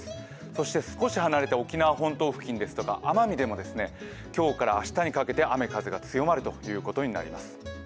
そして少し離れて沖縄本島付近ですとか奄美でも今日から明日にかけて雨・風が強まるということになります。